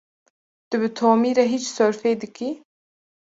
Tu bi Tomî re hîç sorfê dikî?